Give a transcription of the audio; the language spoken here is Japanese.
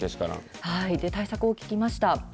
対策を聞きました。